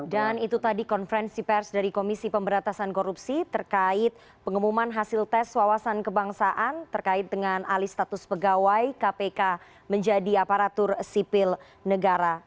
dan itu tadi konferensi pers dari komisi pemberantasan korupsi terkait pengumuman hasil tes wawasan kebangsaan terkait dengan alis status pegawai kpk menjadi aparatur sipil negara